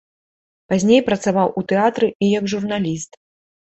Пазней працаваў у тэатры і як журналіст.